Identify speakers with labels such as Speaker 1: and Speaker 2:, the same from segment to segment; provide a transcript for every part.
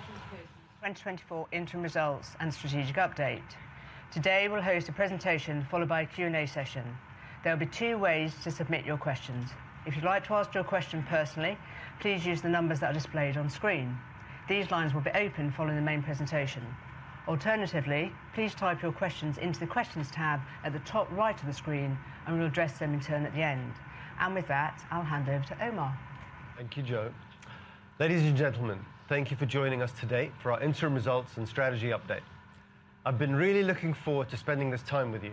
Speaker 1: Good morning, everyone, and welcome to Pearson's 2024 Interim Results and Strategic Update. Today, we'll host a presentation followed by a Q&A session. There will be two ways to submit your questions. If you'd like to ask your question personally, please use the numbers that are displayed on screen. These lines will be open following the main presentation. Alternatively, please type your questions into the Questions tab at the top right of the screen, and we'll address them in turn at the end. With that, I'll hand over to Omar.
Speaker 2: Thank you, Jo. Ladies and gentlemen, thank you for joining us today for our Interim Results and Strategy Update. I've been really looking forward to spending this time with you.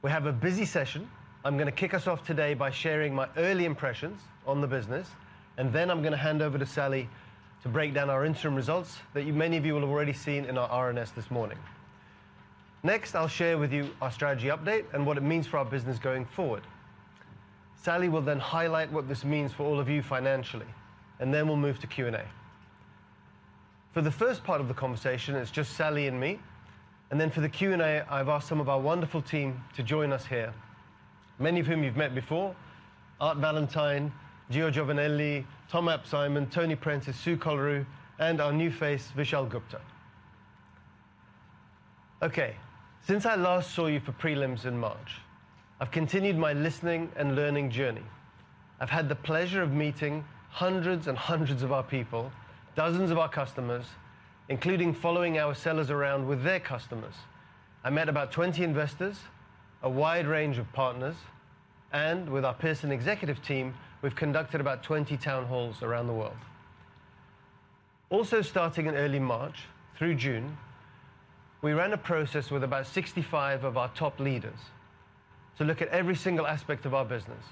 Speaker 2: We have a busy session. I'm going to kick us off today by sharing my early impressions on the business, and then I'm going to hand over to Sally to break down our Interim Results that many of you will have already seen in our RNS this morning. Next, I'll share with you our Strategy Update and what it means for our business going forward. Sally will then highlight what this means for all of you financially, and then we'll move to Q&A. For the first part of the conversation, it's just Sally and me. And then for the Q&A, I've asked some of our wonderful team to join us here, many of whom you've met before: Art Valentine, Gio Giovannelli, Tom ap Simon, Tony Prentice, Sue Kolloru, and our new face, Vishaal Gupta. OK, since I last saw you for prelims in March, I've continued my listening and learning journey. I've had the pleasure of meeting hundreds and hundreds of our people, dozens of our customers, including following our sellers around with their customers. I met about 20 investors, a wide range of partners, and with our Pearson executive team, we've conducted about 20 town halls around the world. Also, starting in early March through June, we ran a process with about 65 of our top leaders to look at every single aspect of our business.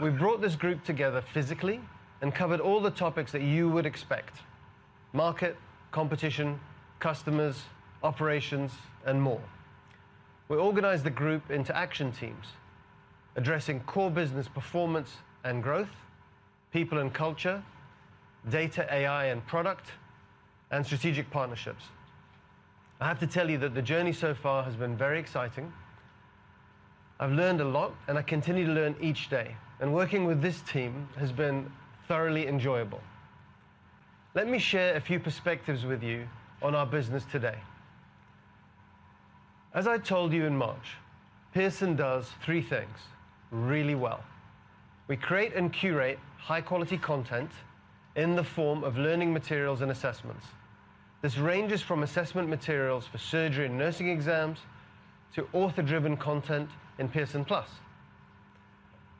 Speaker 2: We brought this group together physically and covered all the topics that you would expect: market, competition, customers, operations, and more. We organized the group into action teams, addressing core business performance and growth, people and culture, data, AI, and product, and strategic partnerships. I have to tell you that the journey so far has been very exciting. I've learned a lot, and I continue to learn each day. And working with this team has been thoroughly enjoyable. Let me share a few perspectives with you on our business today. As I told you in March, Pearson does three things really well. We create and curate high-quality content in the form of learning materials and assessments. This ranges from assessment materials for surgery and nursing exams to author-driven content in Pearson+.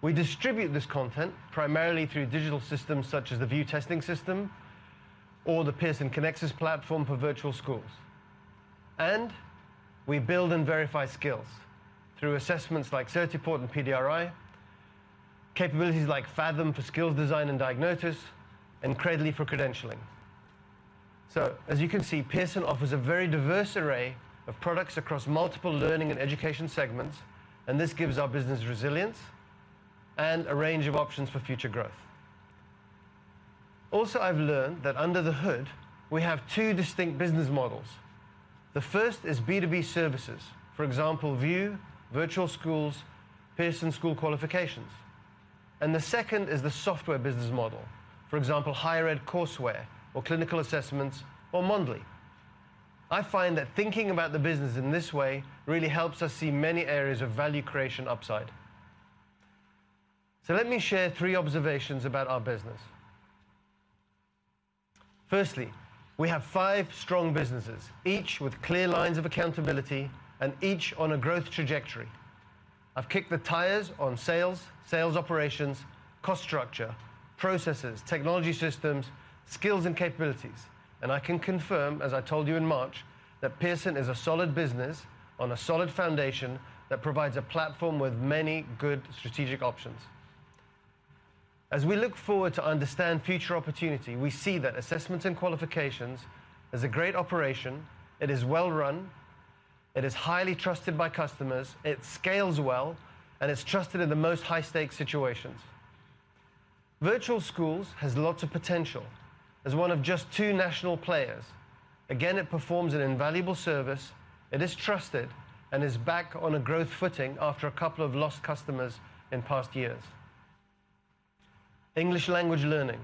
Speaker 2: We distribute this content primarily through digital systems such as the VUE Testing System or the Pearson Connexus platform for virtual schools. We build and verify skills through assessments like Certiport and PDRI, capabilities like Faethm for skills design and diagnosis, and Credly for credentialing. So, as you can see, Pearson offers a very diverse array of products across multiple learning and education segments, and this gives our business resilience and a range of options for future growth. Also, I've learned that under the hood, we have two distinct business models. The first is B2B services, for example, VUE, virtual schools, Pearson School Qualifications. The second is the software business model, for example, higher ed courseware or clinical assessments or Mondly. I find that thinking about the business in this way really helps us see many areas of value creation upside. So let me share three observations about our business. Firstly, we have five strong businesses, each with clear lines of accountability and each on a growth trajectory. I've kicked the tires on sales, sales operations, cost structure, processes, technology systems, skills, and capabilities. And I can confirm, as I told you in March, that Pearson is a solid business on a solid foundation that provides a platform with many good strategic options. As we look forward to understand future opportunity, we see that Assessments and Qualifications is a great operation. It is well run. It is highly trusted by customers. It scales well, and it's trusted in the most high-stakes situations. Virtual Schools has lots of potential as one of just two national players. Again, it performs an invaluable service. It is trusted and is back on a growth footing after a couple of lost customers in past years. English Language Learning,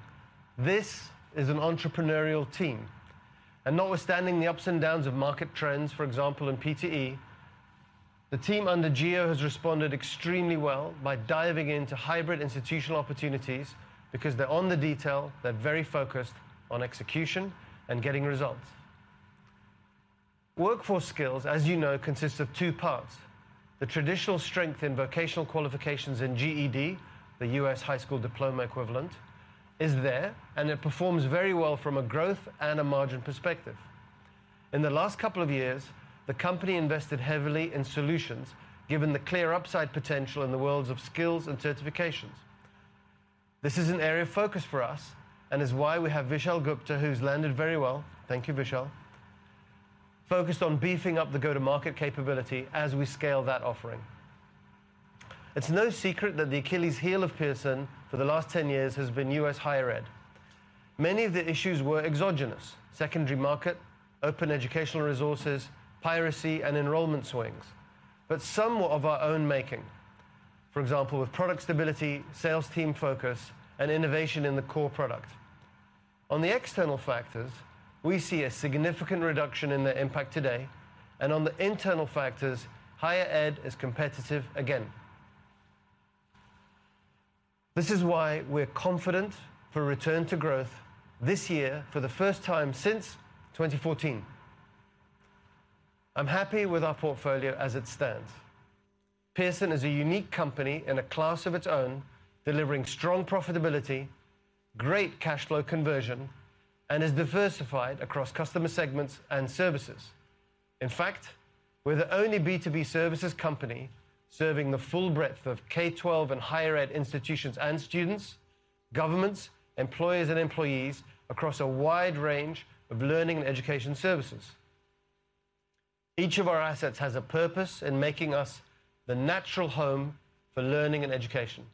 Speaker 2: this is an entrepreneurial team. Notwithstanding the ups and downs of market trends, for example, in PTE, the team under Gio has responded extremely well by diving into hybrid institutional opportunities because they're on the detail. They're very focused on execution and getting results. Workforce Skills, as you know, consist of two parts. The traditional strength in vocational qualifications in GED, the U.S. high school diploma equivalent, is there, and it performs very well from a growth and a margin perspective. In the last couple of years, the company invested heavily in solutions, given the clear upside potential in the worlds of skills and certifications. This is an area of focus for us and is why we have Vishaal Gupta, who's landed very well. Thank you, Vishaal. Focused on beefing up the go-to-market capability as we scale that offering. It's no secret that the Achilles' heel of Pearson for the last 10 years has been U.S. higher ed. Many of the issues were exogenous: secondary market, open educational resources, piracy, and enrollment swings. But some were of our own making, for example, with product stability, sales team focus, and innovation in the core product. On the external factors, we see a significant reduction in their impact today. And on the internal factors, higher ed is competitive again. This is why we're confident for return to growth this year for the first time since 2014. I'm happy with our portfolio as it stands. Pearson is a unique company in a class of its own, delivering strong profitability, great cash flow conversion, and is diversified across customer segments and services. In fact, we're the only B2B services company serving the full breadth of K-12 and higher ed institutions and students, governments, employers, and employees across a wide range of learning and education services. Each of our assets has a purpose in making us the natural home for learning and education.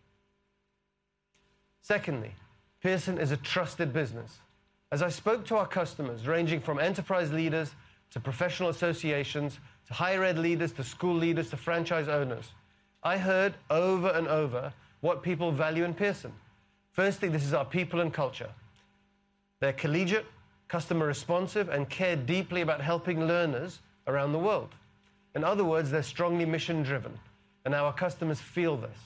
Speaker 2: Secondly, Pearson is a trusted business. As I spoke to our customers, ranging from enterprise leaders to professional associations to higher ed leaders to school leaders to franchise owners, I heard over and over what people value in Pearson. Firstly, this is our people and culture. They're collegiate, customer responsive, and care deeply about helping learners around the world. In other words, they're strongly mission-driven, and our customers feel this.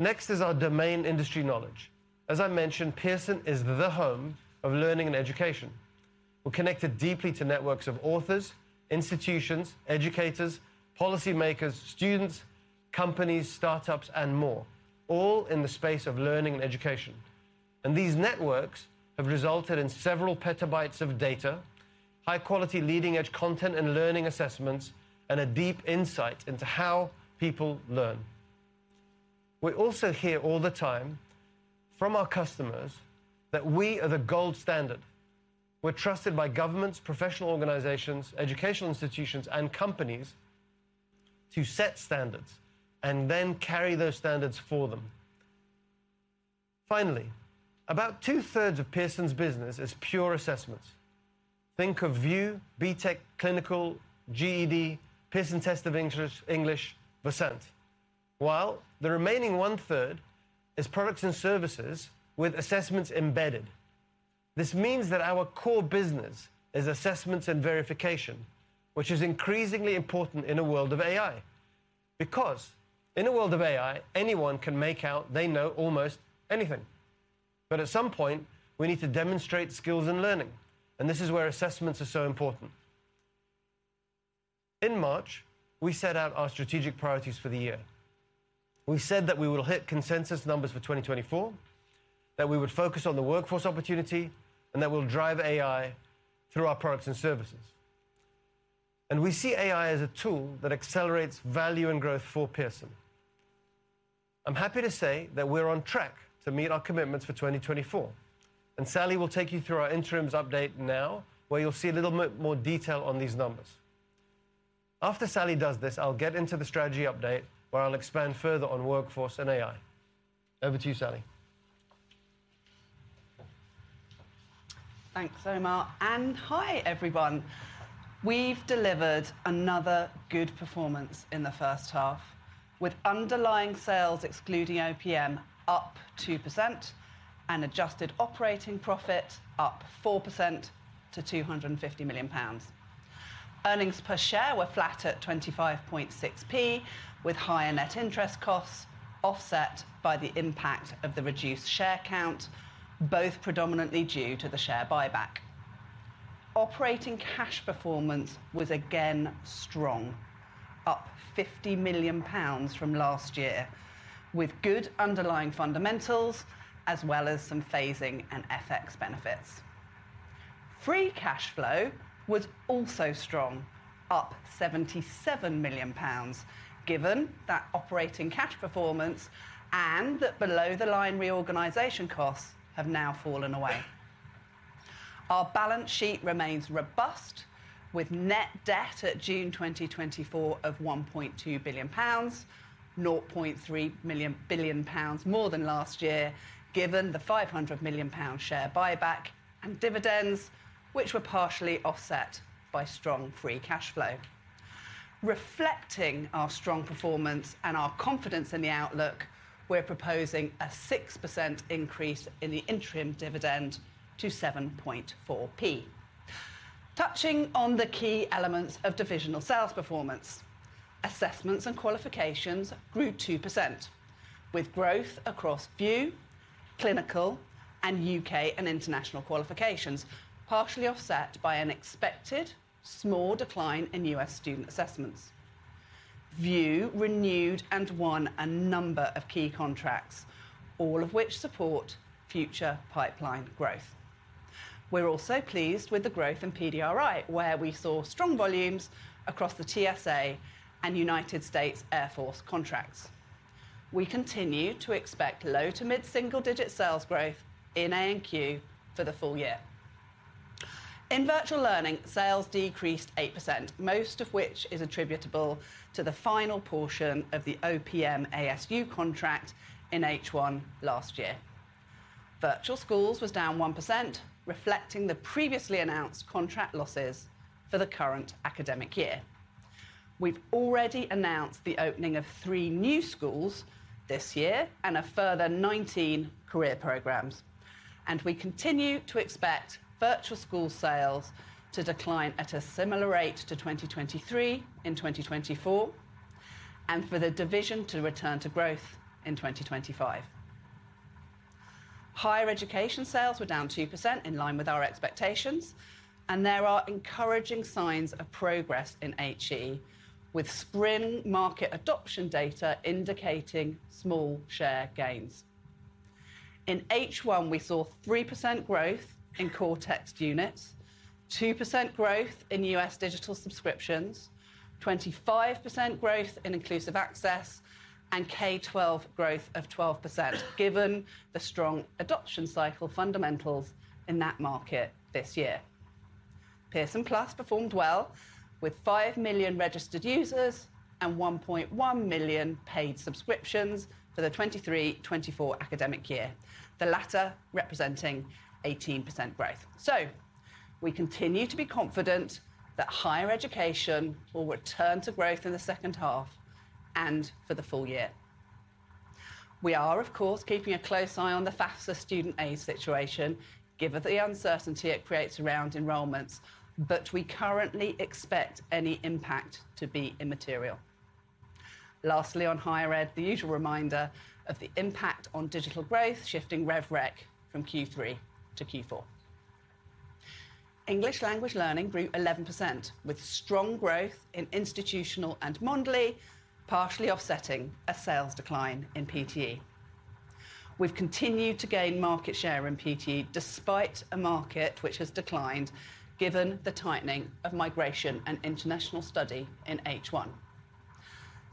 Speaker 2: Next is our domain industry knowledge. As I mentioned, Pearson is the home of learning and education. We're connected deeply to networks of authors, institutions, educators, policymakers, students, companies, startups, and more, all in the space of learning and education. These networks have resulted in several petabytes of data, high-quality leading-edge content and learning assessments, and a deep insight into how people learn. We also hear all the time from our customers that we are the gold standard. We're trusted by governments, professional organizations, educational institutions, and companies to set standards and then carry those standards for them. Finally, about two-thirds of Pearson's business is pure assessments. Think of VUE, BTEC, Clinical, GED, Pearson Test of English, Versant, while the remaining one-third is products and services with assessments embedded. This means that our core business is assessments and verification, which is increasingly important in a world of AI. Because in a world of AI, anyone can make out they know almost anything. At some point, we need to demonstrate skills and learning. This is where assessments are so important. In March, we set out our strategic priorities for the year. We said that we will hit consensus numbers for 2024, that we would focus on the workforce opportunity, and that we'll drive AI through our products and services. We see AI as a tool that accelerates value and growth for Pearson. I'm happy to say that we're on track to meet our commitments for 2024. Sally will take you through our interims update now, where you'll see a little bit more detail on these numbers. After Sally does this, I'll get into the strategy update, where I'll expand further on workforce and AI. Over to you, Sally.
Speaker 3: Thanks, Omar. Hi, everyone. We've delivered another good performance in the first half, with underlying sales excluding OPM up 2% and adjusted operating profit up 4% to 250 million pounds. Earnings per share were flat at 25.6P, with higher net interest costs offset by the impact of the reduced share count, both predominantly due to the share buyback. Operating cash performance was again strong, up 50 million pounds from last year, with good underlying fundamentals as well as some phasing and FX benefits. Free cash flow was also strong, up 77 million pounds, given that operating cash performance and that below-the-line reorganization costs have now fallen away. Our balance sheet remains robust, with net debt at June 2024 of 1.2 billion pounds, 0.3 billion pounds more than last year, given the 500 million pound share buyback and dividends, which were partially offset by strong free cash flow. Reflecting our strong performance and our confidence in the outlook, we're proposing a 6% increase in the interim dividend to 7.4p. Touching on the key elements of divisional sales performance, Assessments and Qualifications grew 2%, with growth across VUE, Clinical, and UK and international qualifications, partially offset by an expected small decline in US student assessments. VUE renewed and won a number of key contracts, all of which support future pipeline growth. We're also pleased with the growth in PDRI, where we saw strong volumes across the TSA and United States Air Force contracts. We continue to expect low to mid-single-digit sales growth in ANQ for the full year. In Virtual Learning, sales decreased 8%, most of which is attributable to the final portion of the OPM-ASU contract in H1 last year. Virtual Schools was down 1%, reflecting the previously announced contract losses for the current academic year. We've already announced the opening of three new schools this year and a further 19 career programs. We continue to expect virtual school sales to decline at a similar rate to 2023 in 2024 and for the division to return to growth in 2025. Higher education sales were down 2% in line with our expectations, and there are encouraging signs of progress in HE, with spring market adoption data indicating small share gains. In H1, we saw 3% growth in core text units, 2% growth in U.S. digital subscriptions, 25% growth in inclusive access, and K-12 growth of 12%, given the strong adoption cycle fundamentals in that market this year. Pearson+ performed well, with 5 million registered users and 1.1 million paid subscriptions for the 2023-2024 academic year, the latter representing 18% growth. So we continue to be confident that higher education will return to growth in the second half and for the full year. We are, of course, keeping a close eye on the FAFSA student aid situation, given the uncertainty it creates around enrollments, but we currently expect any impact to be immaterial. Lastly, on higher ed, the usual reminder of the impact on digital growth, shifting RevRec from Q3 to Q4. English language learning grew 11%, with strong growth in institutional and Mondly, partially offsetting a sales decline in PTE. We've continued to gain market share in PTE despite a market which has declined, given the tightening of migration and international study in H1.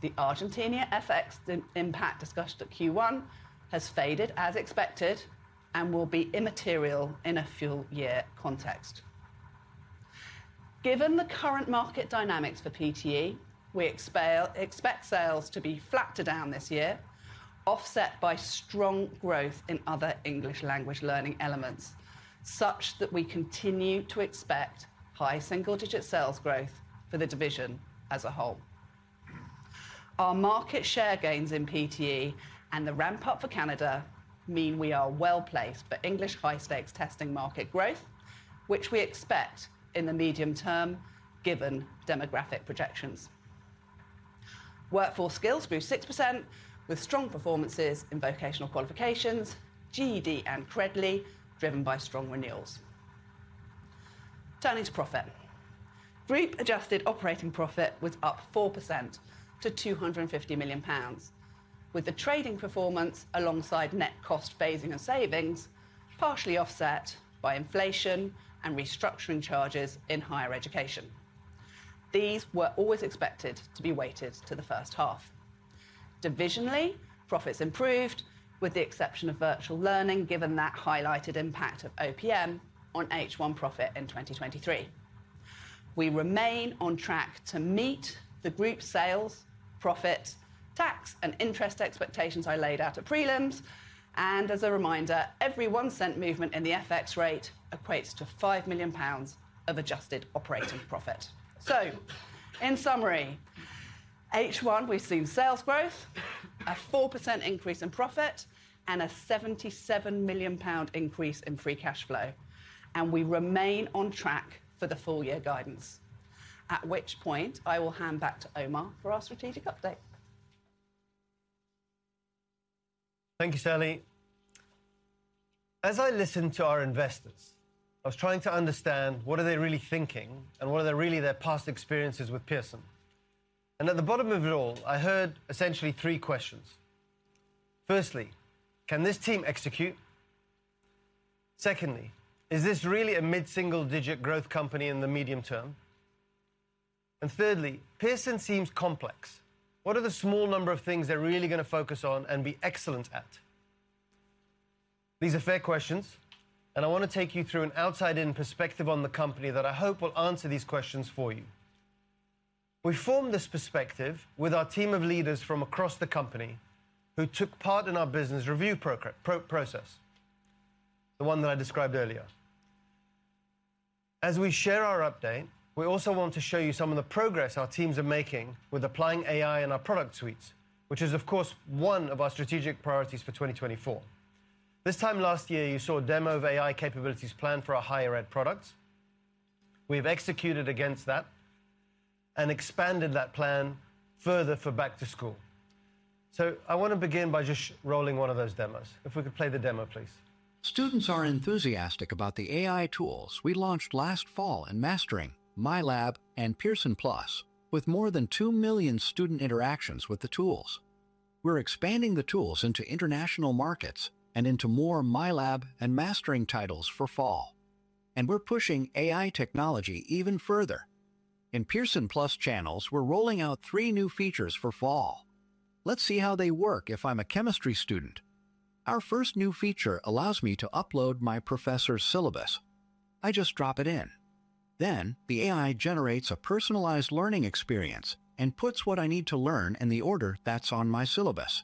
Speaker 3: The Argentina FX impact discussed at Q1 has faded, as expected, and will be immaterial in a full-year context. Given the current market dynamics for PTE, we expect sales to be flatter down this year, offset by strong growth in other English language learning elements, such that we continue to expect high single-digit sales growth for the division as a whole. Our market share gains in PTE and the ramp-up for Canada mean we are well placed for English high-stakes testing market growth, which we expect in the medium term, given demographic projections. Workforce skills grew 6%, with strong performances in vocational qualifications, GED, and Credly, driven by strong renewals. Turning to profit, group adjusted operating profit was up 4% to 250 million pounds, with the trading performance alongside net cost phasing and savings partially offset by inflation and restructuring charges in higher education. These were always expected to be weighted to the first half. Divisionally, profits improved, with the exception of virtual learning, given that highlighted impact of OPM on H1 profit in 2023. We remain on track to meet the group sales, profit, tax, and interest expectations I laid out at prelims. As a reminder, every 1-cent movement in the FX rate equates to £5 million of adjusted operating profit. So, in summary, H1, we've seen sales growth, a 4% increase in profit, and a £77 million increase in free cash flow. We remain on track for the full-year guidance, at which point I will hand back to Omar for our strategic update.
Speaker 2: Thank you, Sally. As I listened to our investors, I was trying to understand what are they really thinking and what are really their past experiences with Pearson. At the bottom of it all, I heard essentially three questions. Firstly, can this team execute? Secondly, is this really a mid-single-digit growth company in the medium term? And thirdly, Pearson seems complex. What are the small number of things they're really going to focus on and be excellent at? These are fair questions, and I want to take you through an outside-in perspective on the company that I hope will answer these questions for you. We formed this perspective with our team of leaders from across the company who took part in our business review process, the one that I described earlier. As we share our update, we also want to show you some of the progress our teams are making with applying AI in our product suites, which is, of course, one of our strategic priorities for 2024. This time last year, you saw a demo of AI capabilities planned for our higher ed products. We have executed against that and expanded that plan further for back to school. So I want to begin by just rolling one of those demos. If we could play the demo, please.
Speaker 4: Students are enthusiastic about the AI tools we launched last fall in Mastering, MyLab, and Pearson+, with more than 2 million student interactions with the tools. We're expanding the tools into international markets and into more MyLab and Mastering titles for fall. We're pushing AI technology even further. In Pearson+ channels, we're rolling out three new features for fall. Let's see how they work if I'm a chemistry student. Our first new feature allows me to upload my professor's syllabus. I just drop it in. Then the AI generates a personalized learning experience and puts what I need to learn in the order that's on my syllabus.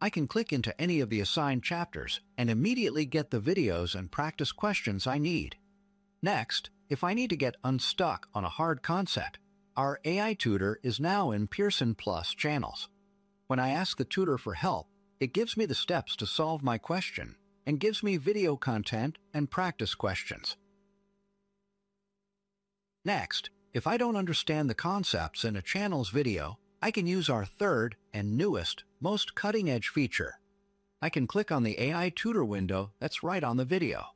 Speaker 4: I can click into any of the assigned chapters and immediately get the videos and practice questions I need. Next, if I need to get unstuck on a hard concept, our AI tutor is now in Pearson+ channels. When I ask the tutor for help, it gives me the steps to solve my question and gives me video content and practice questions. Next, if I don't understand the concepts in a channel's video, I can use our third and newest, most cutting-edge feature. I can click on the AI tutor window that's right on the video.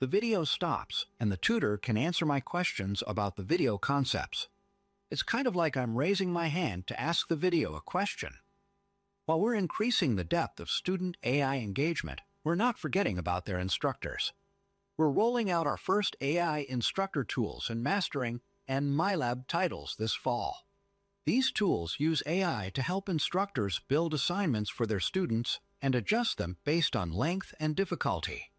Speaker 4: The video stops, and the tutor can answer my questions about the video concepts. It's kind of like I'm raising my hand to ask the video a question. While we're increasing the depth of student AI engagement, we're not forgetting about their instructors. We're rolling out our first AI instructor tools in Mastering and MyLab titles this fall. These tools use AI to help instructors build assignments for their students and adjust them based on length and difficulty.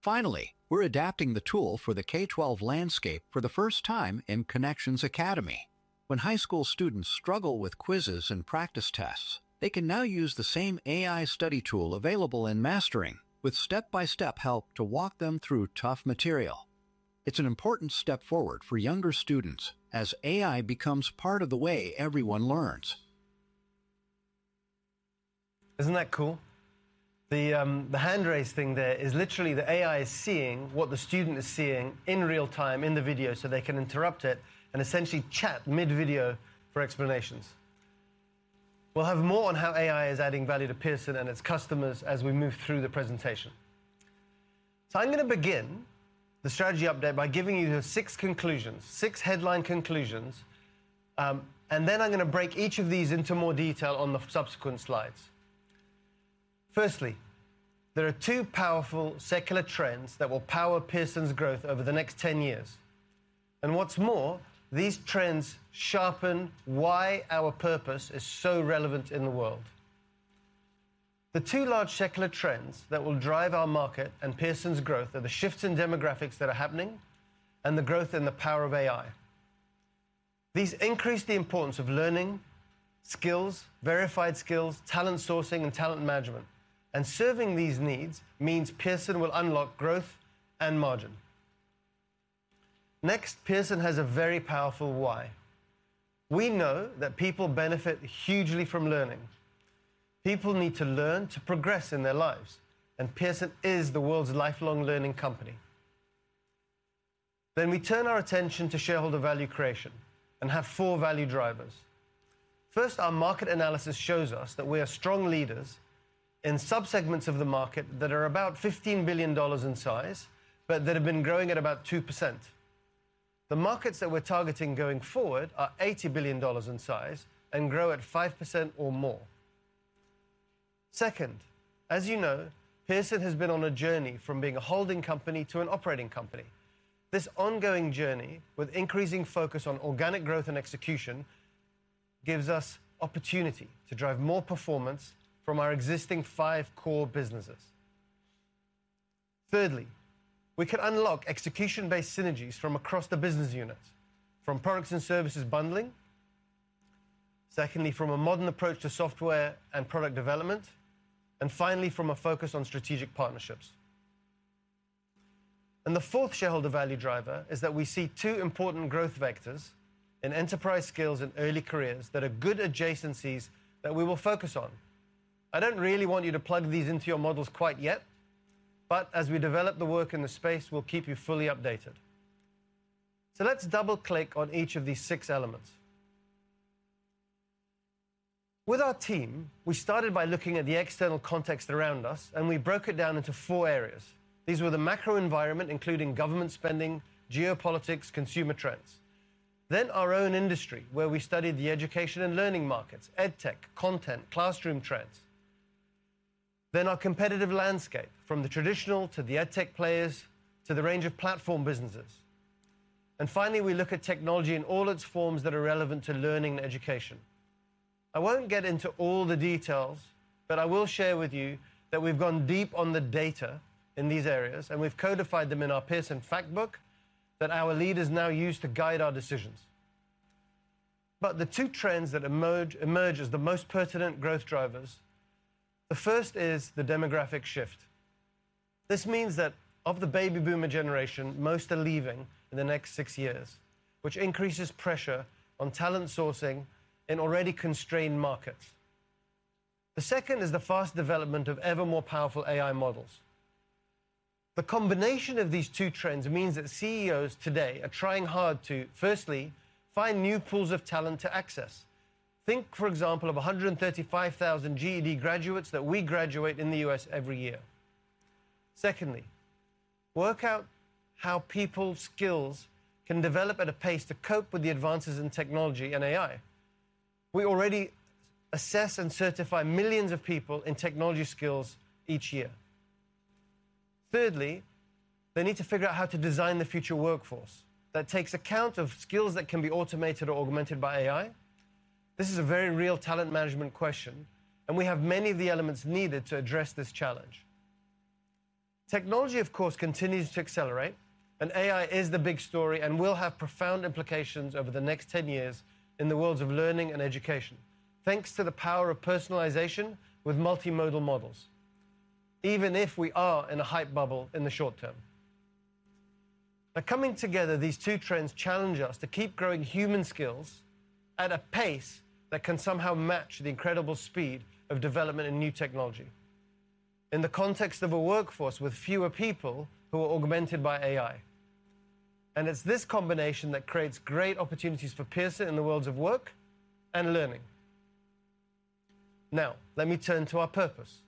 Speaker 4: Finally, we're adapting the tool for the K-12 landscape for the first time in Connections Academy. When high school students struggle with quizzes and practice tests, they can now use the same AI study tool available in Mastering with step-by-step help to walk them through tough material. It's an important step forward for younger students, as AI becomes part of the way everyone learns.
Speaker 2: Isn't that cool? The hand raise thing there is literally the AI is seeing what the student is seeing in real time in the video, so they can interrupt it and essentially chat mid-video for explanations. We'll have more on how AI is adding value to Pearson and its customers as we move through the presentation. So I'm going to begin the strategy update by giving you six conclusions, six headline conclusions. Then I'm going to break each of these into more detail on the subsequent slides. Firstly, there are two powerful secular trends that will power Pearson's growth over the next 10 years. What's more, these trends sharpen why our purpose is so relevant in the world. The two large secular trends that will drive our market and Pearson's growth are the shifts in demographics that are happening and the growth in the power of AI. These increase the importance of learning skills, verified skills, talent sourcing, and talent management. Serving these needs means Pearson will unlock growth and margin. Next, Pearson has a very powerful why. We know that people benefit hugely from learning. People need to learn to progress in their lives, and Pearson is the world's lifelong learning company. We turn our attention to shareholder value creation and have four value drivers. First, our market analysis shows us that we are strong leaders in subsegments of the market that are about $15 billion in size, but that have been growing at about 2%. The markets that we're targeting going forward are $80 billion in size and grow at 5% or more. Second, as you know, Pearson has been on a journey from being a holding company to an operating company. This ongoing journey, with increasing focus on organic growth and execution, gives us opportunity to drive more performance from our existing five core businesses. Thirdly, we can unlock execution-based synergies from across the business units, from products and services bundling, secondly, from a modern approach to software and product development, and finally, from a focus on strategic partnerships. The fourth shareholder value driver is that we see two important growth vectors in enterprise skills and early careers that are good adjacencies that we will focus on. I don't really want you to plug these into your models quite yet, but as we develop the work in the space, we'll keep you fully updated. Let's double-click on each of these six elements. With our team, we started by looking at the external context around us, and we broke it down into four areas. These were the macro environment, including government spending, geopolitics, consumer trends. Then our own industry, where we studied the education and learning markets, edtech, content, classroom trends. Then our competitive landscape, from the traditional to the edtech players to the range of platform businesses. And finally, we look at technology in all its forms that are relevant to learning and education. I won't get into all the details, but I will share with you that we've gone deep on the data in these areas, and we've codified them in our Pearson factbook that our leaders now use to guide our decisions. But the two trends that emerge as the most pertinent growth drivers, the first is the demographic shift. This means that of the baby boomer generation, most are leaving in the next six years, which increases pressure on talent sourcing in already constrained markets. The second is the fast development of ever more powerful AI models. The combination of these two trends means that CEOs today are trying hard to, firstly, find new pools of talent to access. Think, for example, of 135,000 GED graduates that we graduate in the U.S. every year. Secondly, work out how people's skills can develop at a pace to cope with the advances in technology and AI. We already assess and certify millions of people in technology skills each year. Thirdly, they need to figure out how to design the future workforce that takes account of skills that can be automated or augmented by AI. This is a very real talent management question, and we have many of the elements needed to address this challenge. Technology, of course, continues to accelerate, and AI is the big story and will have profound implications over the next 10 years in the worlds of learning and education, thanks to the power of personalization with multimodal models, even if we are in a hype bubble in the short term. By coming together, these two trends challenge us to keep growing human skills at a pace that can somehow match the incredible speed of development in new technology in the context of a workforce with fewer people who are augmented by AI. And it's this combination that creates great opportunities for Pearson in the worlds of work and learning. Now, let me turn to our purpose.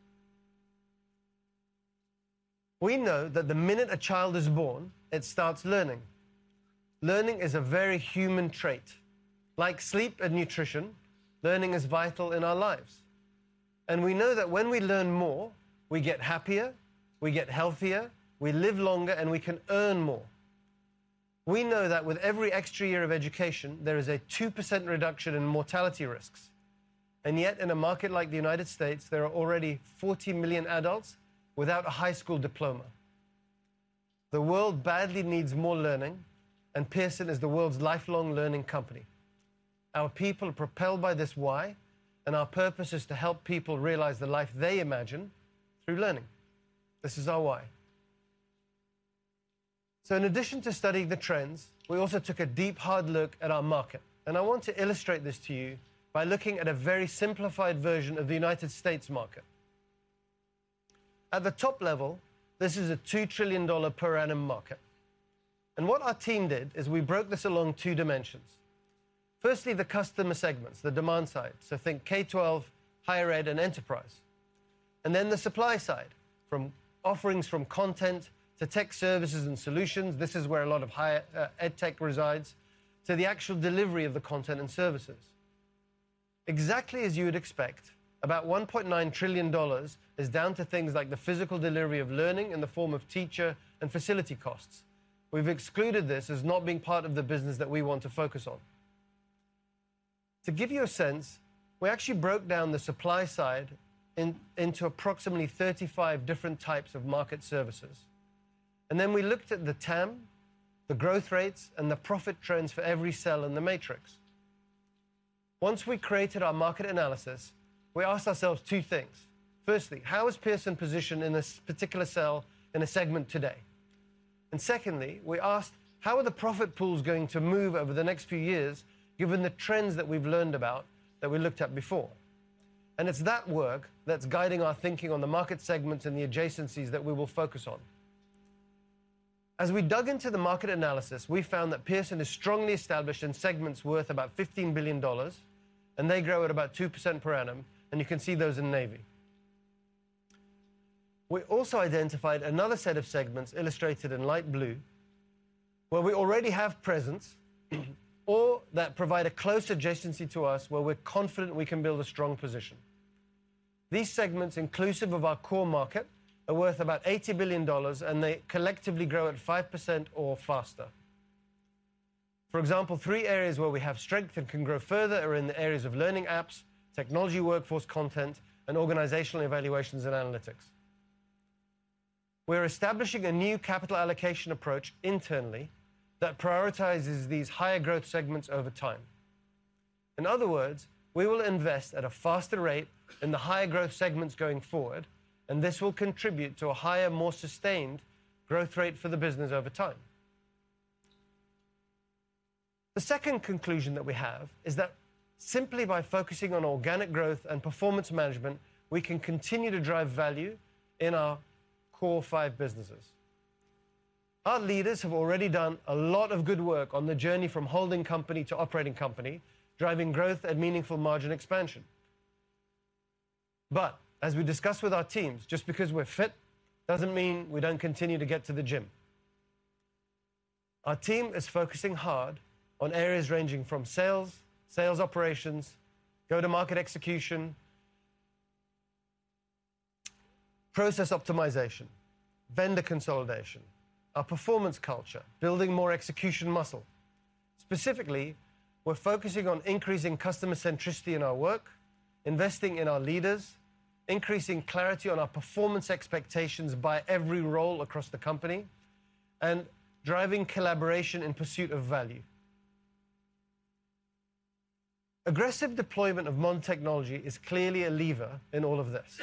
Speaker 2: We know that the minute a child is born, it starts learning. Learning is a very human trait. Like sleep and nutrition, learning is vital in our lives. We know that when we learn more, we get happier, we get healthier, we live longer, and we can earn more. We know that with every extra year of education, there is a 2% reduction in mortality risks. Yet, in a market like the United States, there are already 40 million adults without a high school diploma. The world badly needs more learning, and Pearson is the world's lifelong learning company. Our people are propelled by this why, and our purpose is to help people realize the life they imagine through learning. This is our why. In addition to studying the trends, we also took a deep, hard look at our market. I want to illustrate this to you by looking at a very simplified version of the United States market. At the top level, this is a $2 trillion per annum market. What our team did is we broke this along two dimensions. Firstly, the customer segments, the demand side. Think K-12, higher ed, and enterprise. Then the supply side, from offerings from content to tech services and solutions. This is where a lot of higher ed tech resides, to the actual delivery of the content and services. Exactly as you would expect, about $1.9 trillion is down to things like the physical delivery of learning in the form of teacher and facility costs. We've excluded this as not being part of the business that we want to focus on. To give you a sense, we actually broke down the supply side into approximately 35 different types of market services. Then we looked at the TAM, the growth rates, and the profit trends for every cell in the matrix. Once we created our market analysis, we asked ourselves two things. Firstly, how is Pearson positioned in this particular cell in a segment today? And secondly, we asked, how are the profit pools going to move over the next few years, given the trends that we've learned about that we looked at before? And it's that work that's guiding our thinking on the market segments and the adjacencies that we will focus on. As we dug into the market analysis, we found that Pearson is strongly established in segments worth about $15 billion, and they grow at about 2% per annum. And you can see those in navy. We also identified another set of segments illustrated in light blue, where we already have presence or that provide a close adjacency to us where we're confident we can build a strong position. These segments, inclusive of our core market, are worth about $80 billion, and they collectively grow at 5% or faster. For example, three areas where we have strength and can grow further are in the areas of learning apps, technology workforce content, and organizational evaluations and analytics. We are establishing a new capital allocation approach internally that prioritizes these higher growth segments over time. In other words, we will invest at a faster rate in the higher growth segments going forward, and this will contribute to a higher, more sustained growth rate for the business over time. The second conclusion that we have is that simply by focusing on organic growth and performance management, we can continue to drive value in our core five businesses. Our leaders have already done a lot of good work on the journey from holding company to operating company, driving growth and meaningful margin expansion. But as we discuss with our teams, just because we're fit doesn't mean we don't continue to get to the gym. Our team is focusing hard on areas ranging from sales, sales operations, go-to-market execution, process optimization, vendor consolidation, our performance culture, building more execution muscle. Specifically, we're focusing on increasing customer centricity in our work, investing in our leaders, increasing clarity on our performance expectations by every role across the company, and driving collaboration in pursuit of value. Aggressive deployment of modern technology is clearly a lever in all of this.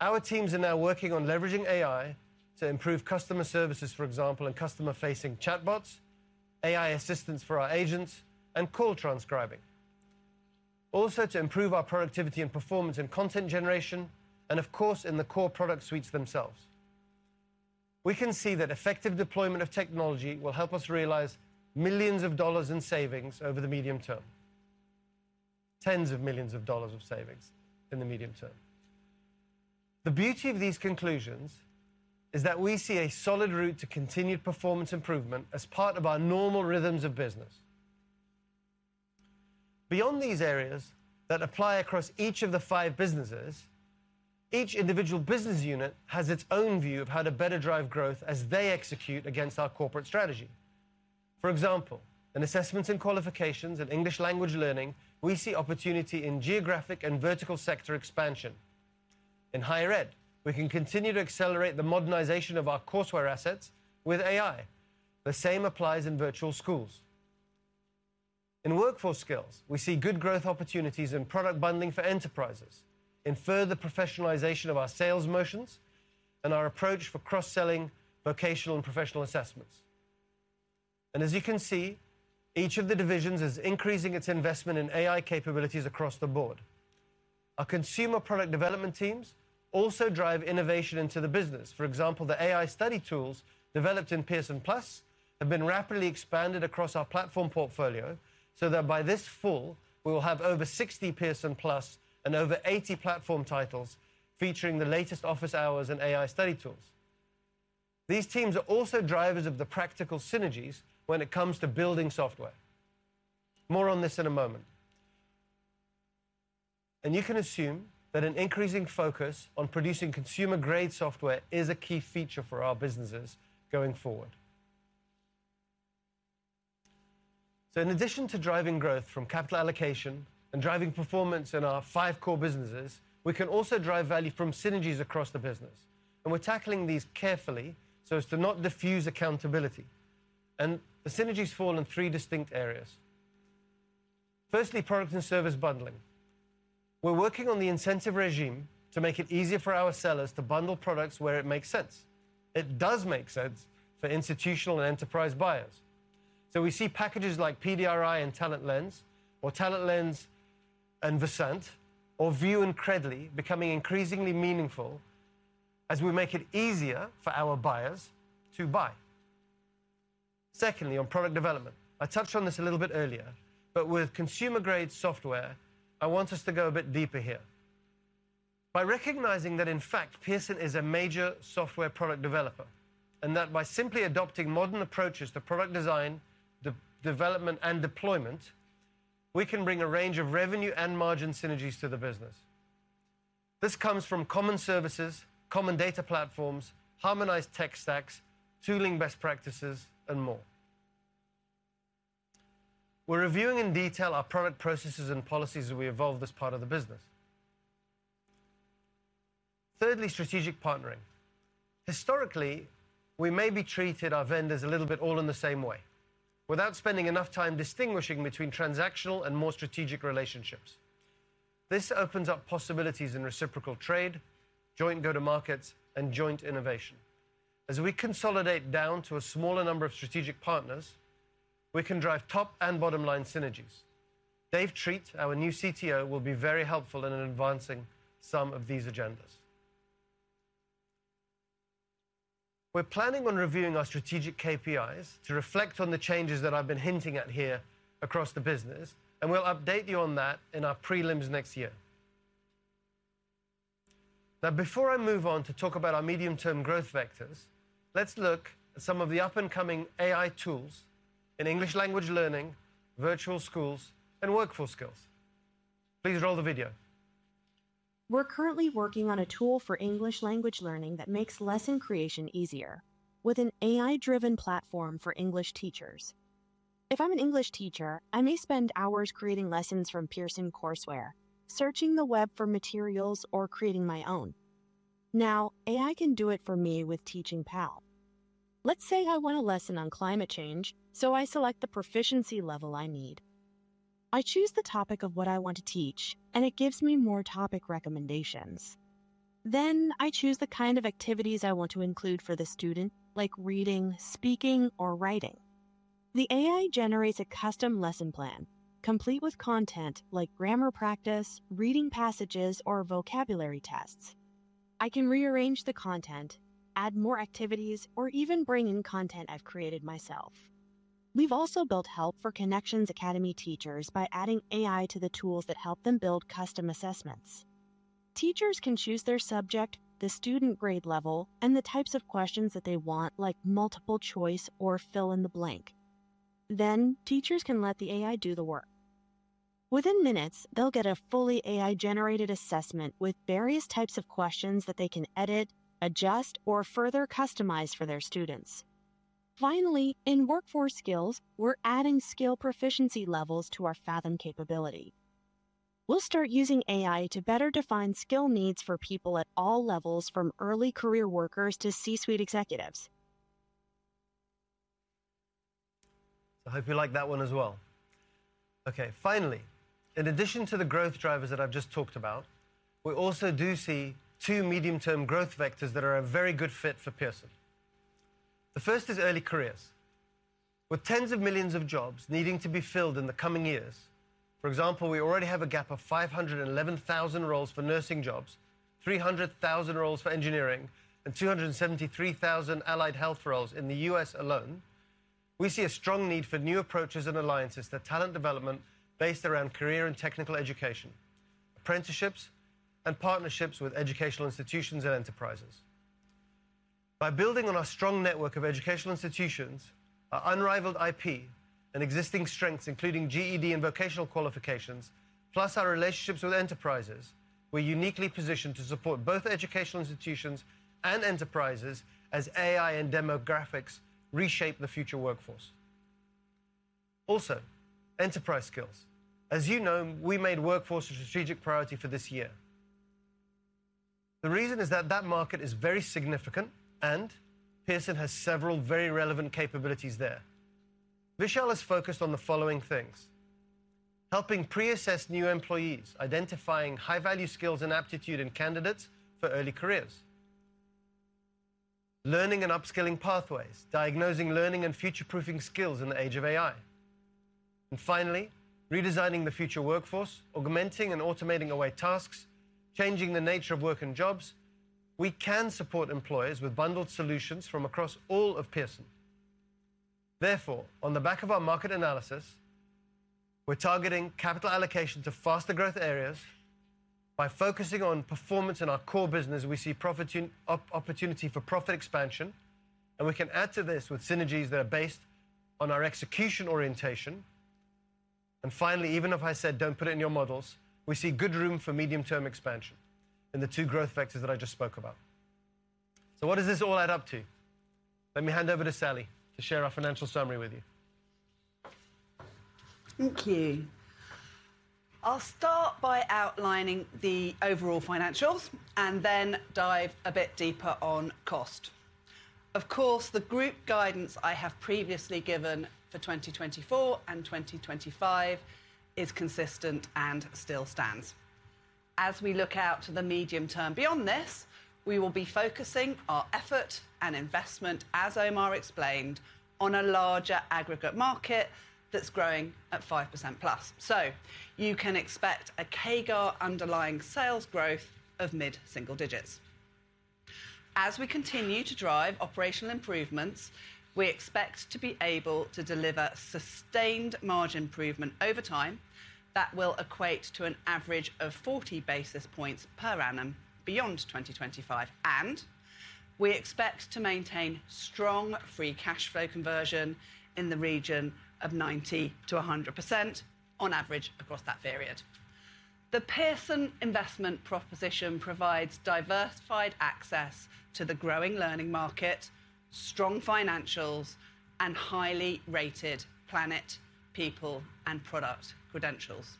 Speaker 2: Our teams are now working on leveraging AI to improve customer services, for example, and customer-facing chatbots, AI assistants for our agents, and call transcribing. Also, to improve our productivity and performance in content generation, and of course, in the core product suites themselves. We can see that effective deployment of technology will help us realize millions of dollars in savings over the medium term, tens of millions of dollars of savings in the medium term. The beauty of these conclusions is that we see a solid route to continued performance improvement as part of our normal rhythms of business. Beyond these areas that apply across each of the five businesses, each individual business unit has its own view of how to better drive growth as they execute against our corporate strategy. For example, in Assessments and Qualifications and English Language Learning, we see opportunity in geographic and vertical sector expansion. In higher ed, we can continue to accelerate the modernization of our courseware assets with AI. The same applies in virtual schools. In workforce skills, we see good growth opportunities in product bundling for enterprises, in further professionalization of our sales motions, and our approach for cross-selling vocational and professional assessments. As you can see, each of the divisions is increasing its investment in AI capabilities across the board. Our consumer product development teams also drive innovation into the business. For example, the AI study tools developed in Pearson+ have been rapidly expanded across our platform portfolio so that by this fall, we will have over 60 Pearson+ and over 80 platform titles featuring the latest office hours and AI study tools. These teams are also drivers of the practical synergies when it comes to building software. More on this in a moment. You can assume that an increasing focus on producing consumer-grade software is a key feature for our businesses going forward. So, in addition to driving growth from capital allocation and driving performance in our five core businesses, we can also drive value from synergies across the business. And we're tackling these carefully so as to not diffuse accountability. And the synergies fall in three distinct areas. Firstly, product and service bundling. We're working on the incentive regime to make it easier for our sellers to bundle products where it makes sense. It does make sense for institutional and enterprise buyers. So, we see packages like PDRI and TalentLens, or TalentLens and Versant, or VUE and Credly becoming increasingly meaningful as we make it easier for our buyers to buy. Secondly, on product development, I touched on this a little bit earlier, but with consumer-grade software, I want us to go a bit deeper here. By recognizing that, in fact, Pearson is a major software product developer and that by simply adopting modern approaches to product design, development, and deployment, we can bring a range of revenue and margin synergies to the business. This comes from common services, common data platforms, harmonized tech stacks, tooling best practices, and more. We're reviewing in detail our product processes and policies as we evolve this part of the business. Thirdly, strategic partnering. Historically, we may be treating our vendors a little bit all in the same way without spending enough time distinguishing between transactional and more strategic relationships. This opens up possibilities in reciprocal trade, joint go-to-markets, and joint innovation. As we consolidate down to a smaller number of strategic partners, we can drive top and bottom-line synergies. Dave Treat, our new CTO, will be very helpful in advancing some of these agendas. We're planning on reviewing our strategic KPIs to reflect on the changes that I've been hinting at here across the business, and we'll update you on that in our prelims next year. Now, before I move on to talk about our medium-term growth vectors, let's look at some of the up-and-coming AI tools in English language learning, virtual schools, and workforce skills. Please roll the video.
Speaker 4: We're currently working on a tool for English language learning that makes lesson creation easier with an AI-driven platform for English teachers. If I'm an English teacher, I may spend hours creating lessons from Pearson Courseware, searching the web for materials, or creating my own. Now, AI can do it for me with Teaching Pal. Let's say I want a lesson on climate change, so I select the proficiency level I need. I choose the topic of what I want to teach, and it gives me more topic recommendations. Then, I choose the kind of activities I want to include for the student, like reading, speaking, or writing. The AI generates a custom lesson plan complete with content like grammar practice, reading passages, or vocabulary tests. I can rearrange the content, add more activities, or even bring in content I've created myself. We've also built help for Connections Academy teachers by adding AI to the tools that help them build custom assessments. Teachers can choose their subject, the student grade level, and the types of questions that they want, like multiple choice or fill-in-the-blank. Then, teachers can let the AI do the work. Within minutes, they'll get a fully AI-generated assessment with various types of questions that they can edit, adjust, or further customize for their students. Finally, in workforce skills, we're adding skill proficiency levels to our Faethm capability. We'll start using AI to better define skill needs for people at all levels, from early career workers to C-suite executives.
Speaker 2: I hope you like that one as well. Okay, finally, in addition to the growth drivers that I've just talked about, we also do see two medium-term growth vectors that are a very good fit for Pearson. The first is early careers. With tens of millions of jobs needing to be filled in the coming years, for example, we already have a gap of 511,000 roles for nursing jobs, 300,000 roles for engineering, and 273,000 allied health roles in the U.S. alone, we see a strong need for new approaches and alliances to talent development based around career and technical education, apprenticeships, and partnerships with educational institutions and enterprises. By building on our strong network of educational institutions, our unrivaled IP, and existing strengths, including GED and vocational qualifications, plus our relationships with enterprises, we're uniquely positioned to support both educational institutions and enterprises as AI and demographics reshape the future workforce. Also, enterprise skills. As you know, we made workforce a strategic priority for this year. The reason is that that market is very significant, and Pearson has several very relevant capabilities there. Vishaal has focused on the following things: helping pre-assess new employees, identifying high-value skills and aptitude in candidates for early careers, learning and upskilling pathways, diagnosing learning and future-proofing skills in the age of AI, and finally, redesigning the future workforce, augmenting and automating away tasks, changing the nature of work and jobs. We can support employers with bundled solutions from across all of Pearson. Therefore, on the back of our market analysis, we're targeting capital allocation to faster growth areas by focusing on performance in our core business. We see opportunity for profit expansion, and we can add to this with synergies that are based on our execution orientation. And finally, even if I said, "Don't put it in your models," we see good room for medium-term expansion in the two growth vectors that I just spoke about. So, what does this all add up to? Let me hand over to Sally to share our financial summary with you.
Speaker 3: Thank you. I'll start by outlining the overall financials and then dive a bit deeper on cost. Of course, the group guidance I have previously given for 2024 and 2025 is consistent and still stands. As we look out to the medium term beyond this, we will be focusing our effort and investment, as Omar explained, on a larger aggregate market that's growing at 5%+. So, you can expect a CAGR underlying sales growth of mid-single digits. As we continue to drive operational improvements, we expect to be able to deliver sustained margin improvement over time that will equate to an average of 40 basis points per annum beyond 2025. We expect to maintain strong free cash flow conversion in the region of 90%-100% on average across that period. The Pearson investment proposition provides diversified access to the growing learning market, strong financials, and highly rated planet, people, and product credentials.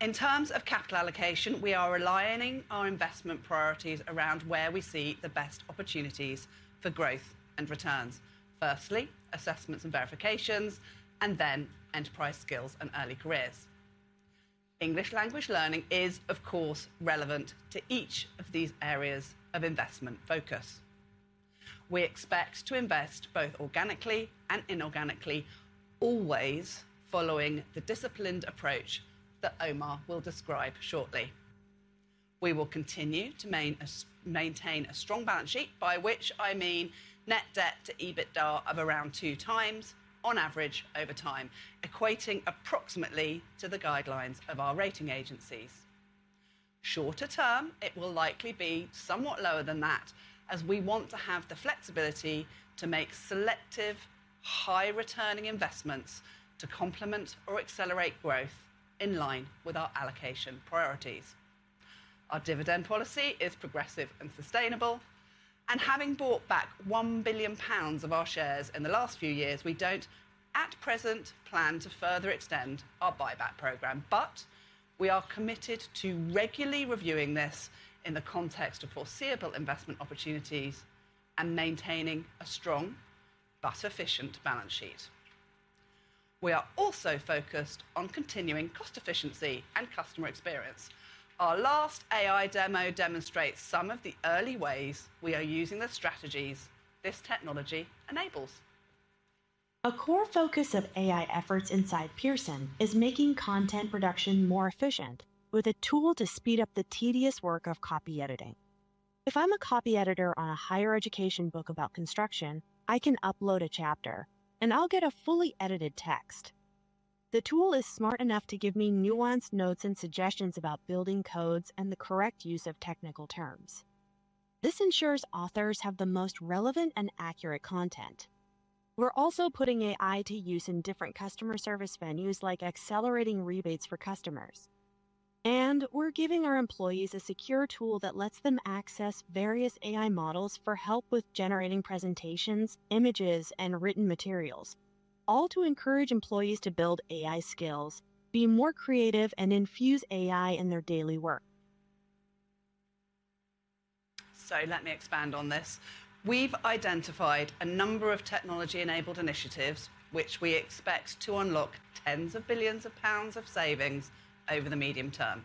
Speaker 3: In terms of capital allocation, we are aligning our investment priorities around where we see the best opportunities for growth and returns. Firstly, assessments and verifications, and then enterprise skills and early careers. English language learning is, of course, relevant to each of these areas of investment focus. We expect to invest both organically and inorganically, always following the disciplined approach that Omar will describe shortly. We will continue to maintain a strong balance sheet, by which I mean net debt to EBITDA of around two times on average over time, equating approximately to the guidelines of our rating agencies. Shorter term, it will likely be somewhat lower than that, as we want to have the flexibility to make selective, high-returning investments to complement or accelerate growth in line with our allocation priorities. Our dividend policy is progressive and sustainable, and having bought back £1 billion of our shares in the last few years, we don't at present plan to further extend our buyback program, but we are committed to regularly reviewing this in the context of foreseeable investment opportunities and maintaining a strong but efficient balance sheet. We are also focused on continuing cost efficiency and customer experience. Our last AI demo demonstrates some of the early ways we are using the strategies this technology enables.
Speaker 4: Our core focus of AI efforts inside Pearson is making content production more efficient with a tool to speed up the tedious work of copy editing. If I'm a copy editor on a higher education book about construction, I can upload a chapter, and I'll get a fully edited text. The tool is smart enough to give me nuanced notes and suggestions about building codes and the correct use of technical terms. This ensures authors have the most relevant and accurate content. We're also putting AI to use in different customer service venues, like accelerating rebates for customers. We're giving our employees a secure tool that lets them access various AI models for help with generating presentations, images, and written materials, all to encourage employees to build AI skills, be more creative, and infuse AI in their daily work.
Speaker 3: Let me expand on this. We've identified a number of technology-enabled initiatives, which we expect to unlock tens of billions of GBP of savings over the medium term.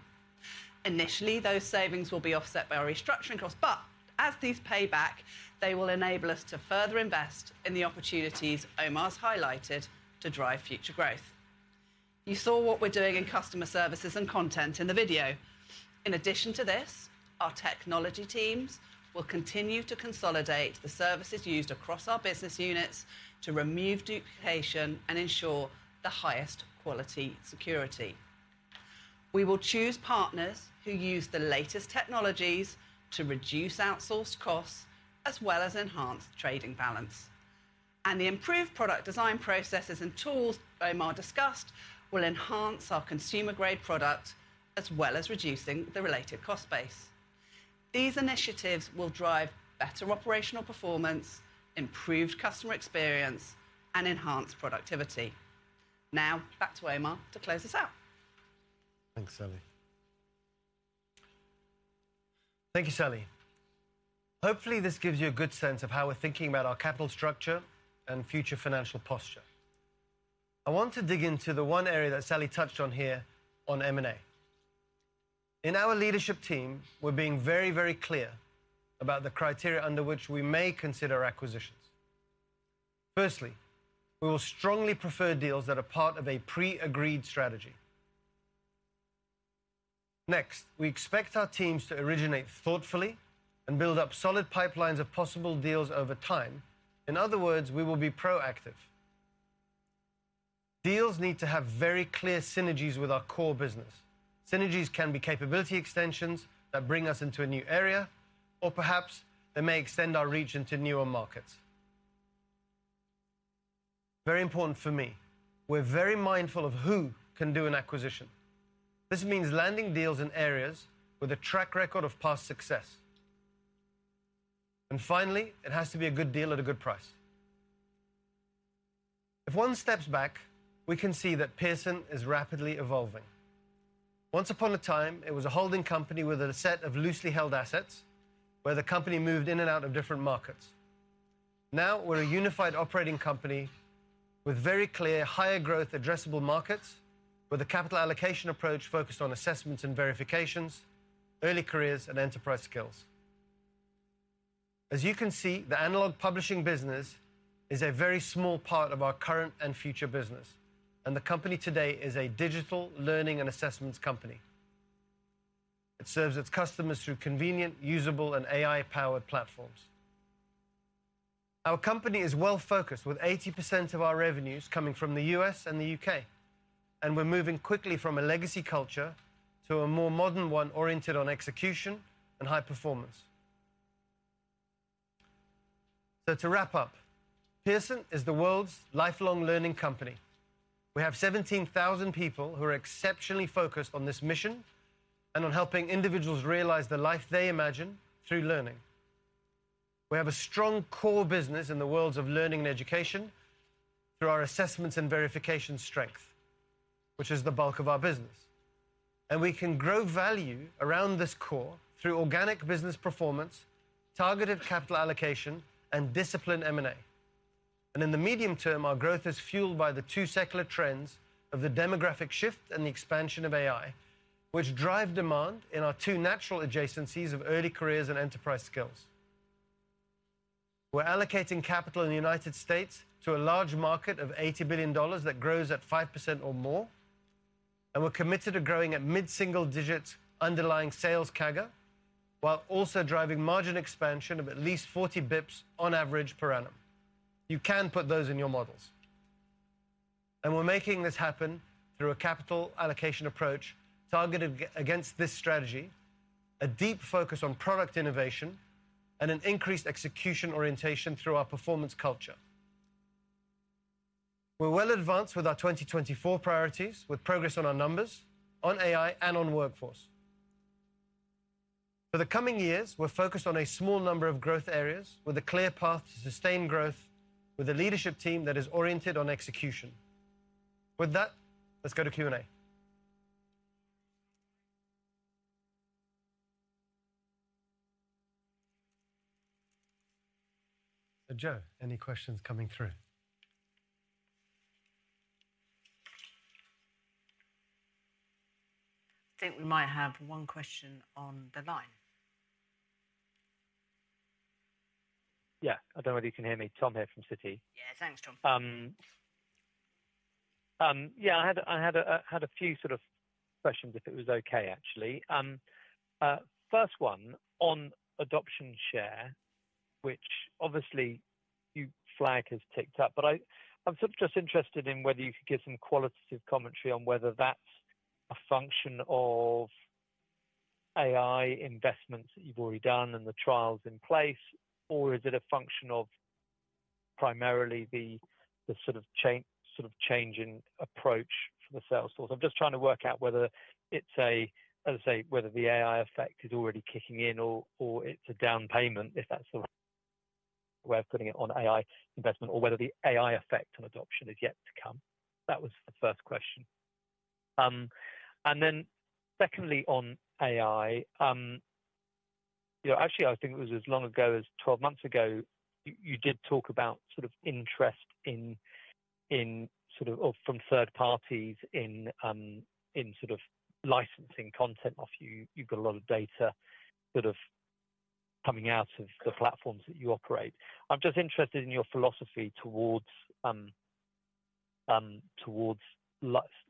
Speaker 3: Initially, those savings will be offset by our restructuring costs, but as these pay back, they will enable us to further invest in the opportunities Omar's highlighted to drive future growth. You saw what we're doing in customer services and content in the video. In addition to this, our technology teams will continue to consolidate the services used across our business units to remove duplication and ensure the highest quality security. We will choose partners who use the latest technologies to reduce outsourced costs as well as enhance trading balance. The improved product design processes and tools Omar discussed will enhance our consumer-grade product as well as reducing the related cost base. These initiatives will drive better operational performance, improved customer experience, and enhance productivity. Now, back to Omar to close us out.
Speaker 2: Thanks, Sally. Thank you, Sally. Hopefully, this gives you a good sense of how we're thinking about our capital structure and future financial posture. I want to dig into the one area that Sally touched on here on M&A. In our leadership team, we're being very, very clear about the criteria under which we may consider acquisitions. Firstly, we will strongly prefer deals that are part of a pre-agreed strategy. Next, we expect our teams to originate thoughtfully and build up solid pipelines of possible deals over time. In other words, we will be proactive. Deals need to have very clear synergies with our core business. Synergies can be capability extensions that bring us into a new area, or perhaps they may extend our reach into newer markets. Very important for me, we're very mindful of who can do an acquisition. This means landing deals in areas with a track record of past success. And finally, it has to be a good deal at a good price. If one steps back, we can see that Pearson is rapidly evolving. Once upon a time, it was a holding company with a set of loosely held assets where the company moved in and out of different markets. Now, we're a unified operating company with very clear higher growth addressable markets with a capital allocation approach focused on assessments and verifications, early careers, and enterprise skills. As you can see, the analog publishing business is a very small part of our current and future business, and the company today is a digital learning and assessments company. It serves its customers through convenient, usable, and AI-powered platforms. Our company is well-focused, with 80% of our revenues coming from the U.S. and the U.K., and we're moving quickly from a legacy culture to a more modern one oriented on execution and high performance. So, to wrap up, Pearson is the world's lifelong learning company. We have 17,000 people who are exceptionally focused on this mission and on helping individuals realize the life they imagine through learning. We have a strong core business in the worlds of learning and education through our assessments and verification strength, which is the bulk of our business. We can grow value around this core through organic business performance, targeted capital allocation, and disciplined M&A. In the medium term, our growth is fueled by the two secular trends of the demographic shift and the expansion of AI, which drive demand in our two natural adjacencies of early careers and enterprise skills. We're allocating capital in the United States to a large market of $80 billion that grows at 5% or more, and we're committed to growing at mid-single digits underlying sales CAGR, while also driving margin expansion of at least 40 basis points on average per annum. You can put those in your models. And we're making this happen through a capital allocation approach targeted against this strategy, a deep focus on product innovation, and an increased execution orientation through our performance culture. We're well advanced with our 2024 priorities, with progress on our numbers, on AI, and on workforce. For the coming years, we're focused on a small number of growth areas with a clear path to sustained growth with a leadership team that is oriented on execution. With that, let's go to Q&A. So, Jo, any questions coming through?
Speaker 3: I think we might have one question on the line.
Speaker 5: Yeah, I don't know whether you can hear me. Tom here from Citi.
Speaker 3: Yeah, thanks, Tom.
Speaker 5: Yeah, I had a few sort of questions, if it was okay, actually. First one, on adoption share, which obviously you flagged has ticked up, but I'm sort of just interested in whether you could give some qualitative commentary on whether that's a function of AI investments that you've already done and the trials in place, or is it a function of primarily the sort of change in approach for the sales force? I'm just trying to work out whether it's a, as I say, whether the AI effect is already kicking in or it's a down payment, if that's the way of putting it on AI investment, or whether the AI effect on adoption is yet to come. That was the first question. And then secondly, on AI, actually, I think it was as long ago as 12 months ago, you did talk about sort of interest in sort of, or from third parties in sort of licensing content off you. You've got a lot of data sort of coming out of the platforms that you operate. I'm just interested in your philosophy towards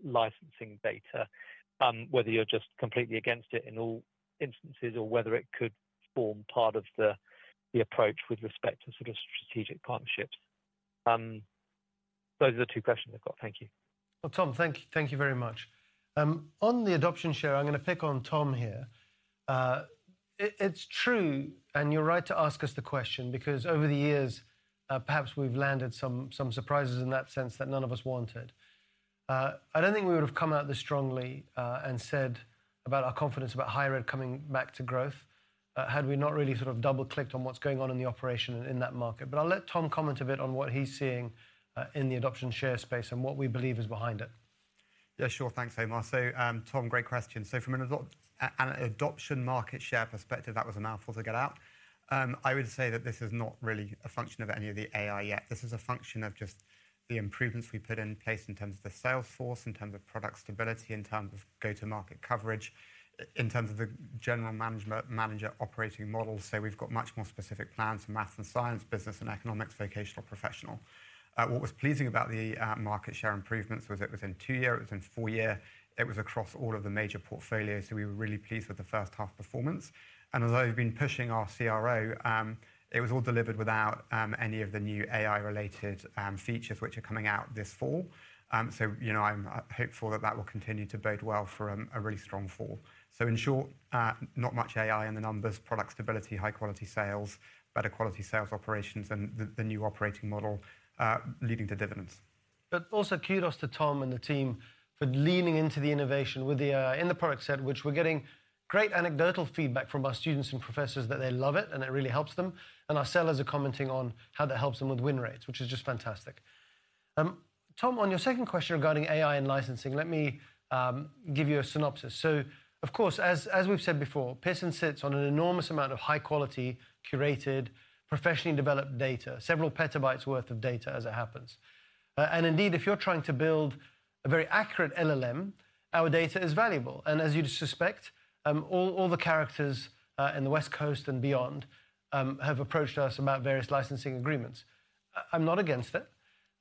Speaker 5: licensing data, whether you're just completely against it in all instances or whether it could form part of the approach with respect to sort of strategic partnerships. Those are the two questions I've got. Thank you.
Speaker 2: Well, Tom, thank you very much. On the adoption share, I'm going to pick on Tom here. It's true, and you're right to ask us the question because over the years, perhaps we've landed some surprises in that sense that none of us wanted. I don't think we would have come out this strongly and said about our confidence about higher ed coming back to growth had we not really sort of double-clicked on what's going on in the operation and in that market. But I'll let Tom comment a bit on what he's seeing in the adoption share space and what we believe is behind it.
Speaker 6: Yeah, sure. Thanks, Omar. So, Tom, great question. So, from an adoption market share perspective, that was a mouthful to get out. I would say that this is not really a function of any of the AI yet. This is a function of just the improvements we put in place in terms of the sales force, in terms of product stability, in terms of go-to-market coverage, in terms of the general manager operating model. So, we've got much more specific plans for math and science, business and economics, vocational professional. What was pleasing about the market share improvements was it was in two-year, it was in four-year, it was across all of the major portfolios. So, we were really pleased with the first-half performance. Although we've been pushing our CRO, it was all delivered without any of the new AI-related features which are coming out this fall. So, I'm hopeful that that will continue to bode well for a really strong fall. So, in short, not much AI in the numbers, product stability, high-quality sales, better quality sales operations, and the new operating model leading to dividends.
Speaker 2: But also, kudos to Tom and the team for leaning into the innovation with the AI in the product set, which we're getting great anecdotal feedback from our students and professors that they love it and it really helps them. And our sellers are commenting on how that helps them with win rates, which is just fantastic. Tom, on your second question regarding AI and licensing, let me give you a synopsis. So, of course, as we've said before, Pearson sits on an enormous amount of high-quality, curated, professionally developed data, several petabytes' worth of data as it happens. And indeed, if you're trying to build a very accurate LLM, our data is valuable. And as you'd suspect, all the characters in the West Coast and beyond have approached us about various licensing agreements. I'm not against it.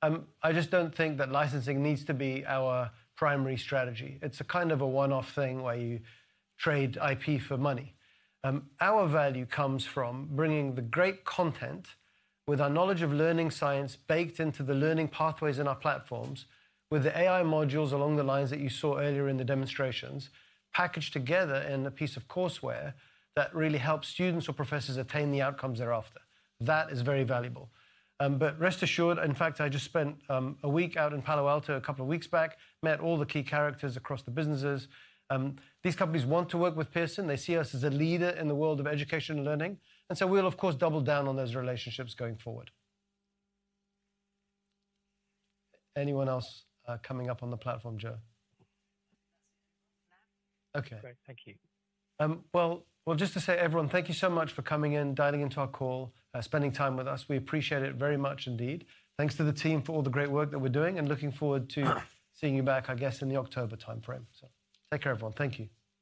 Speaker 2: I just don't think that licensing needs to be our primary strategy. It's a kind of a one-off thing where you trade IP for money. Our value comes from bringing the great content with our knowledge of learning science baked into the learning pathways in our platforms, with the AI modules along the lines that you saw earlier in the demonstrations, packaged together in a piece of courseware that really helps students or professors attain the outcomes thereafter. That is very valuable. But rest assured, in fact, I just spent a week out in Palo Alto a couple of weeks back, met all the key characters across the businesses. These companies want to work with Pearson. They see us as a leader in the world of education and learning. And so, we'll, of course, double down on those relationships going forward. Anyone else coming up on the platform, Joe? Okay. Great.
Speaker 5: Thank you.
Speaker 2: Well, just to say, everyone, thank you so much for coming in, dialing into our call, spending time with us. We appreciate it very much indeed. Thanks to the team for all the great work that we're doing and looking forward to seeing you back, I guess, in the October timeframe. So, take care, everyone. Thank you.